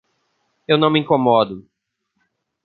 Eu não me incomodo.